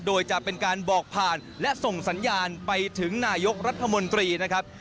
โดยจะเป็นการบอกผ่านและส่งสัญญาณไปถึงนายกรัฐมนตรีนะครับ